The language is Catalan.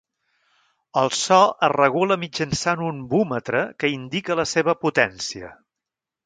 El so es regula mitjançant un vúmetre que indica la seva potència.